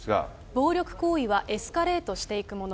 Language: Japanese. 暴力行為はエスカレートしていくもの。